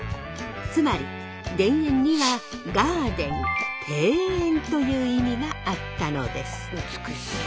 つまり田園にはという意味があったのです。